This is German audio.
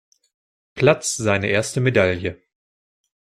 Platz seine erste Medaille.